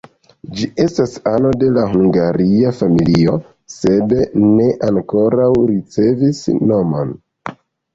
Ĝi estas ano de la hungaria familio, sed ne ankoraŭ ricevis nomon.